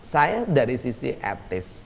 saya dari sisi etis